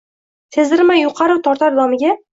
Sezdirmay yuqar-u, tortar domiga.